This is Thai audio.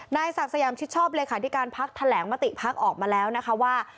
นายสักแสงชิดชอบเลยค่ะที่การพักษ์แถลงมาติพักษ์ออกมาแล้วนะค่ะว่า